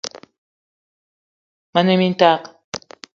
Me ne mintak